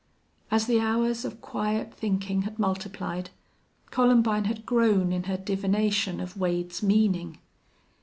As the hours of quiet thinking had multiplied, Columbine had grown in her divination of Wade's meaning.